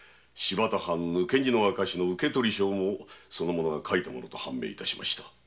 抜け荷の証の受取書もその者が書いたと判明致しました。